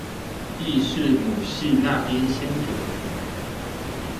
亦是母系那邊先祖